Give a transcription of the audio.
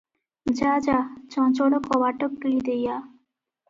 ଯା ଯା, ଚଞ୍ଚଳ କବାଟ କିଳି ଦେଇ ଆ ।